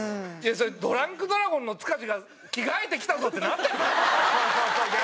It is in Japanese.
それドランクドラゴンの塚地が着替えてきたぞってなってるよ。